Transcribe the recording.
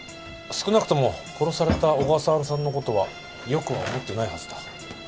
少なくとも殺された小笠原さんのことはよくは思ってないはずだ。